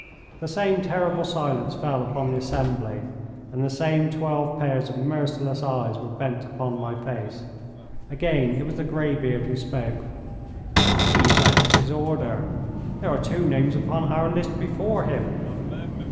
The same terrible silence fell upon the assembly, and the same twelve pairs of merciless eyes were bent upon my face. Again it was the grey beard who spoke. "He is out of his order. There are two names upon our list before him."